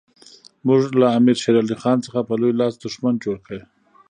موږ له امیر شېر علي خان څخه په لوی لاس دښمن جوړ کړ.